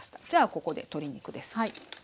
じゃここで鶏肉です。